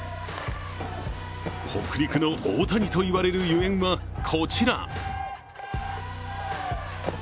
北陸の大谷といわれるゆえんは、こちら。